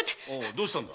どうしたんだ？